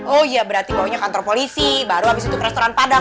oh iya berarti bawanya kantor polisi baru habis itu restoran padang